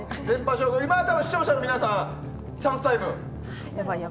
今、視聴者の皆さんチャンスタイム。